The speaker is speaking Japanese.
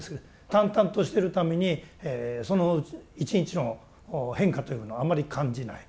淡々としてるためにその１日の変化というのはあまり感じない。